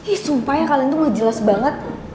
ih sumpah ya kalian tuh gak jelas banget